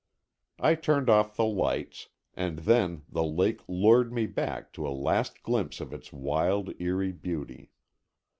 I turned off the lights, and then the lake lured me back to a last glimpse of its wild, eerie beauty.